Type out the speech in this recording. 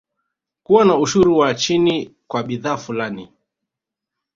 Kuwa na ushuru wa chini kwa bidhaa fulani